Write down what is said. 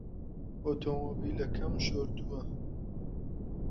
ئۆتۆمۆبیلەکەم شۆردووە.